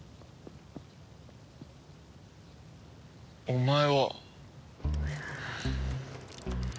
お前は。